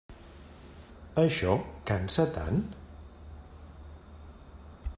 Això cansa tant?